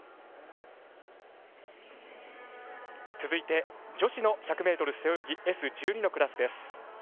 続いて、女子の１００ｍ背泳ぎＳ１２のクラスです。